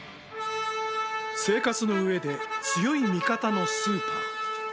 ［生活の上で強い味方のスーパー］